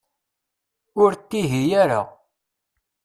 Ur ttihiy ara.